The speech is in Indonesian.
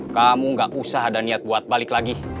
kamu gak usah ada niat buat balik lagi